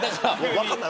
分かんない。